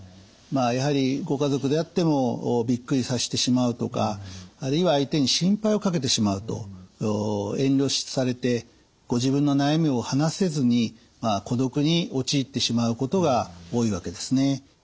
やはりご家族であってもびっくりさせてしまうとかあるいは相手に心配をかけてしまうと遠慮されてご自分の悩みを話せずに孤独に陥ってしまうことが多いわけですね。